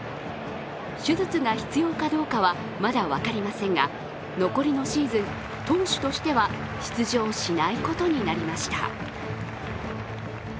手術が必要かどうかは、まだ分かりませんが残りのシーズン、投手としては出場しないことになりました。